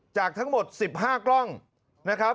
จากทั้งหมด๑๕กล้องนะครับ